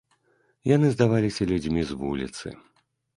Яны здаваліся людзьмі з вуліцы.